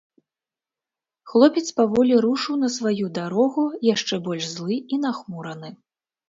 Хлопец паволі рушыў на сваю дарогу, яшчэ больш злы і нахмураны.